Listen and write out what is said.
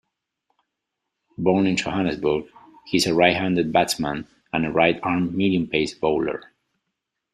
Born in Johannesburg, he is a right-handed batsman and a right-arm medium-pace bowler.